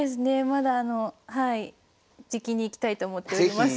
まだあのはいじきに行きたいと思っております。